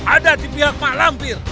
ada di pihak pak lampir